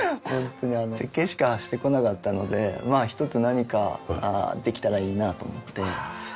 ホントにあの設計しかしてこなかったのでまあ一つ何かできたらいいなと思って。